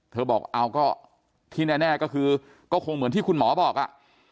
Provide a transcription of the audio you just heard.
บอกเอาก็ที่แน่ก็คือก็คงเหมือนที่คุณหมอบอกอ่ะ